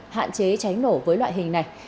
hạn chế cháy nổ với loại hình này